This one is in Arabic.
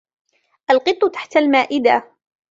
القط تحت المائدة.